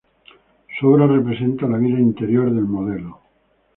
Su obra representa la vida interior del modelo.